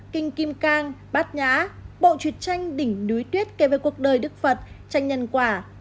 kinh kim cang bát nhã bộ chuyệt tranh đỉnh núi tuyết kể về cuộc đời đức phật tranh nhân quả